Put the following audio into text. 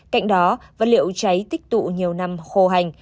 cạnh đó vật liệu cháy tích tụ nhiều năm khô hành